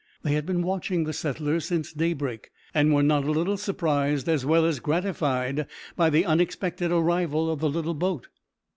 They had been watching the settlers since daybreak, and were not a little surprised, as well as gratified, by the unexpected arrival of the little boat.